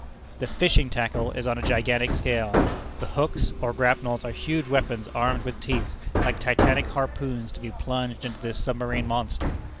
The "fishing tackle" is on a gigantic scale. The "hooks," or grapnels, are huge weapons armed with teeth, like Titanic harpoons to be plunged into this submarine monster.